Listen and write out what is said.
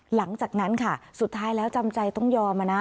หลังจากนั้นค่ะสุดท้ายแล้วจำใจต้องยอมนะ